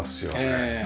ええ。